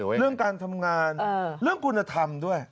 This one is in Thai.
เรื่องการทำงานเรื่องคุณธรรมด้วย